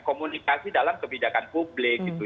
komunikasi dalam kebijakan publik gitu